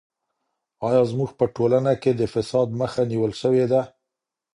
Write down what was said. ایا زموږ په ټولنه کې د فساد مخه نیول سوې ده؟